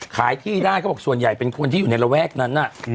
ขายที่ได้เขาบอกส่วนใหญ่เป็นคนที่อยู่ในระแวกนั้น